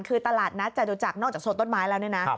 คือตลาดนัดจตุจักรนอกจากโซนต้นไม้แล้วเนี่ยนะ